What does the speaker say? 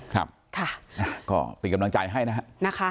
ครับค่ะก็เป็นกำลังใจให้นะฮะ